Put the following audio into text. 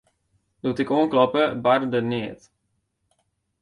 Doe't ik oankloppe, barde der neat.